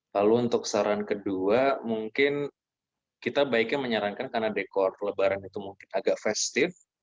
lalu untuk saran kedua mungkin kita baiknya menyarankan karena dekor lebaran itu mungkin agak festive